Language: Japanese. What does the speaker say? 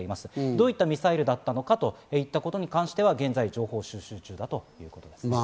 どういうミサイルだったのかといったことに関しては現在、情報収集中だということです。